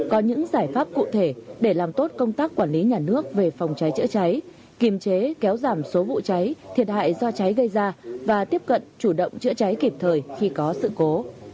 có những giải pháp cụ thể để làm tốt công tác quản lý nhà nước về phòng cháy chữa cháy kiềm chế kéo giảm số vụ cháy thiệt hại do cháy gây ra và tiếp cận chủ động chữa cháy kịp thời khi có sự cố